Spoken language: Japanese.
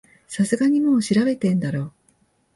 さすがにもう調べてんだろ